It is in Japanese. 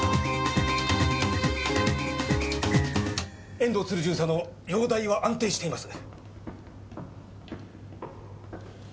遠藤鶴巡査の容体は安定しています。